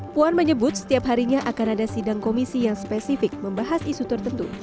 puan menyebut setiap harinya akan ada sidang komisi yang spesifik membahas isu tertentu